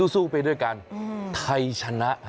สู้ไปด้วยกันไทยชนะ